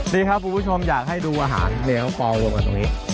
ดีครับคุณผู้ชมอยากให้ดูอาหารเลี้ยงปอรวมกันตรงนี้